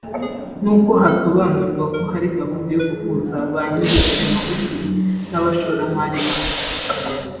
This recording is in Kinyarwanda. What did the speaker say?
nuko hasobanurwa ko hari gahunda yo guhuza ba nyiri aya mahoteli n’abashoramari bandi